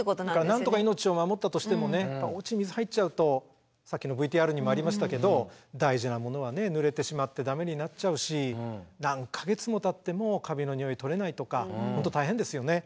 なんとか命を守ったとしてもおうちに水入っちゃうとさっきのＶＴＲにもありましたけど大事なものはぬれてしまってダメになっちゃうし何か月もたってもにおい取れないとか本当大変ですよね。